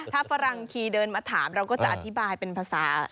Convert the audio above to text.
ถ้าฝรั่งคีเดินมาถามเราก็จะอธิบายเป็นภาษา